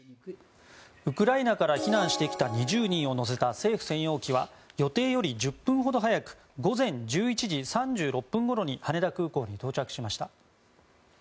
ウクライナから避難してきた２０人を乗せた政府専用機は予定より１０分ほど早く午前１１時３６分ごろに羽田空港に到着しました。